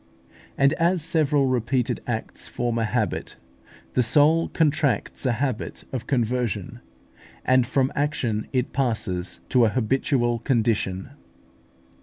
And as several repeated acts form a habit, the soul contracts a habit of conversion, and from action it passes to a habitual condition.